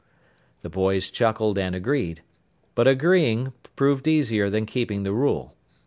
The boys chuckled and agreed. But agreeing proved easier than keeping the rule.